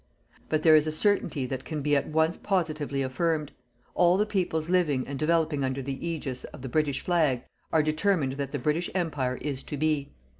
But there is a certainty that can be at once positively affirmed. All the peoples living and developing under the ægis of the British flag are determined that the British Empire is to be.